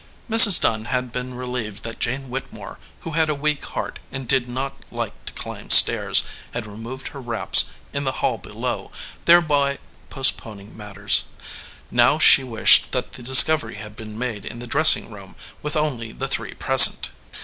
Mrs. Dunn had been relieved that Jane Whittemore, who had a weak heart and did not like to climb stairs, had removed her wraps in the hall below, thereby postponing matters. Now she wished that the discovery had been made in the dressing room, with only the three present.